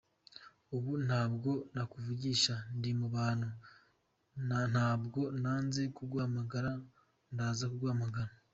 Ubu ntabwo nakuvugisha ndi mu bantu, ntabwo nanze kuguhamagara, ndaza kuguhamagara.